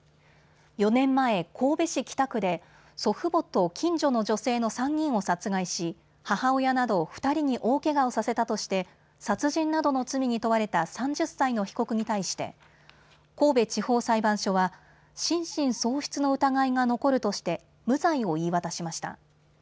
４年前、神戸市北区で祖父母と近所の女性の３人を殺害し母親など２人に大けがをさせたとして殺人などの罪に問われた３０歳の被告に対して神戸地方裁判所は心神喪失の疑いが残るとして無罪を言い渡しました。